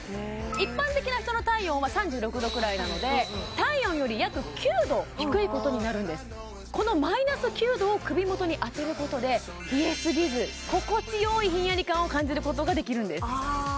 一般的な人の体温は３６度くらいなので体温より約９度低いことになるんですこのマイナス９度を首元に当てることで冷えすぎず心地よいひんやり感を感じることができるんです